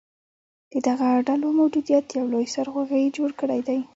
د دغه ډلو موجودیت یو لوی سرخوږې جوړ کړیدی